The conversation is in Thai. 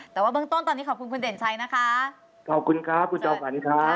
แต่ว่าเบื้องต้นตอนนี้ขอบคุณคุณเด่นชัยนะคะขอบคุณครับคุณจอมขวัญครับ